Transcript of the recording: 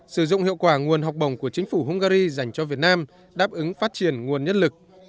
sử dụng hiệu quả nguồn học bổng của chính phủ hungary dành cho việt nam đáp ứng phát triển nguồn nhất lực